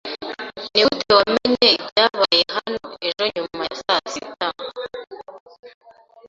Nigute wamenye ibyabaye hano ejo nyuma ya saa sita?